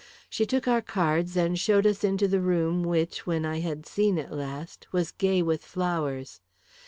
She took our cards and showed us into the room which, when I had seen it last, was gay with flowers.